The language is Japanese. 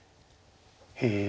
へえ。